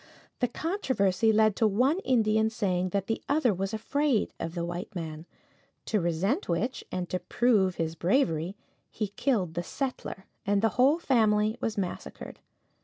The controversy led to one Indian saying that the other was afraid of the white man, to resent which, and to prove his bravery, he killed the settler, and the whole family was massacred.